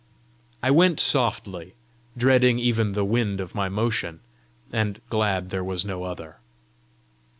I went softly, dreading even the wind of my motion, and glad there was no other.